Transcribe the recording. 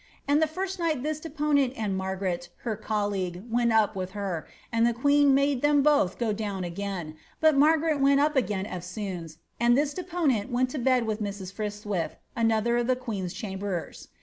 And the first nigbt tills deponent and Margaret,^ her colleague, went up with her, and the queen made them both go down again, but Margaret went up agtio cftsoons, and this deponent went to bed with Mrs. Friswith (another of the queen's chambercrs).